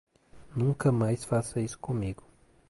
Nunca mais faça isso comigo.